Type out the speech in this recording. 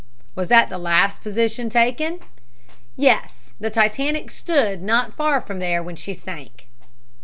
"Was that the last position taken?" "Yes, the Titanic stood not far from there when she sank."